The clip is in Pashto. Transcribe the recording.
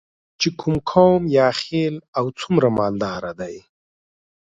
چې کوم قوم یا خیل او څومره مالداره دی.